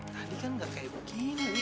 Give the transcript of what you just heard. tadi kan nggak kayak begini